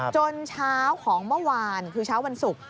จนเช้าของเมื่อวานคือเช้าวันศุกร์